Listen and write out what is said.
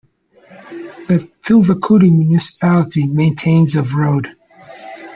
The Thuvakudi municipality maintains of road.